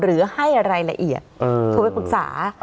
หรือให้รายละเอียดโทรไปปรึกษา